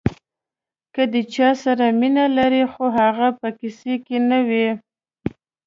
که د یو چا سره مینه لرئ خو هغه په قصه کې نه وي.